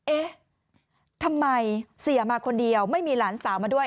เอ๊ะทำไมเสียมาคนเดียวไม่มีหลานสาวมาด้วย